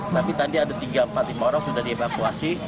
tapi tadi ada tiga empat lima orang sudah dievakuasi